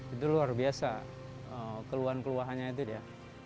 itu luar biasa keluhan keluahannya itu ya